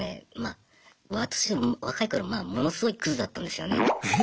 私若い頃ものすごいクズだったんですよね。